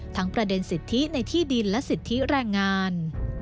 ประเด็นสิทธิในที่ดินและสิทธิแรงงาน